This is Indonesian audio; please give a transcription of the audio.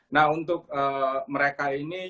nah untuk mereka ini